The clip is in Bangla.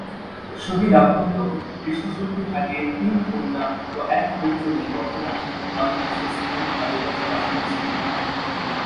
শহীদ আখন্দ দৃষ্টিশক্তি হারিয়ে তিন কন্যা ও এক পুত্র নিয়ে বর্তমানে বাংলাদেশে স্থায়ীভাবে বসবাস করছেন।